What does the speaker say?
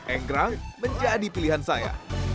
enggrang menjadi pilihan saya